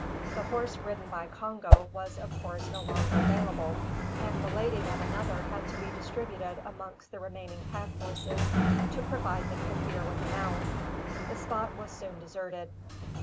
The horse ridden by Congo was of course no longer available; and the lading of another had to be distributed amongst the remaining pack horses, to provide the Kaffir with a mount. The spot was soon deserted.